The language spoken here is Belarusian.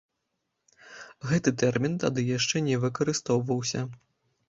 Гэты тэрмін тады яшчэ не выкарыстоўваўся.